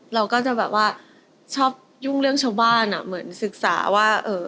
เราก็จะชอบยุ่งเรื่องชาวบ้านเหมือนศึกษาว่า